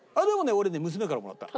俺ね娘からもらった。